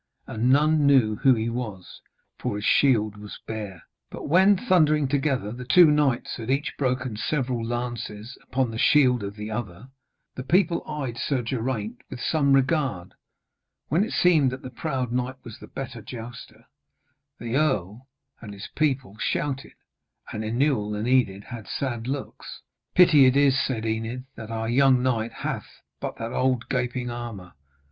And none knew who he was, for his shield was bare. But when, thundering together, the two knights had each broken several lances upon the shield of the other, the people eyed Sir Geraint with some regard. When it seemed that the proud knight was the better jouster, the earl and his people shouted, and Inewl and Enid had sad looks. 'Pity it is,' said Enid, 'that our young knight hath but that old gaping armour.